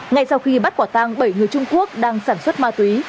ngay sau khi bắt quả tang bảy người trung quốc đang sản xuất ma túy